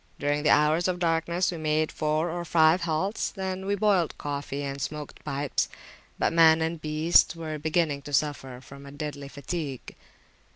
During the hours of darkness we made four or five halts, when we boiled coffee and smoked pipes; but man and beasts were beginning to suffer from a deadly fatigue.